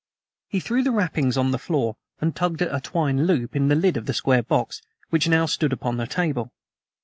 He threw the wrappings on the floor and tugged at a twine loop in the lid of the square box, which now stood upon the table.